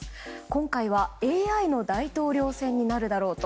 今回はＡＩの大統領選になるだろうと。